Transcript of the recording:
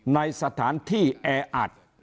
ในสถานที่แออัด